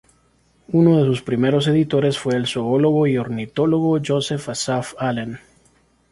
Uno de sus primeros editores fue el zoólogo y ornitólogo Joel Asaph Allen.